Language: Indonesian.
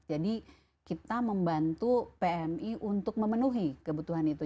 jadi kita membantu pmi untuk memenuhi kebutuhan itu